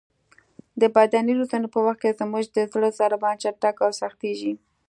د بدني روزنې په وخت کې زموږ د زړه ضربان چټک او سختېږي.